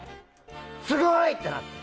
すごい！ってなって。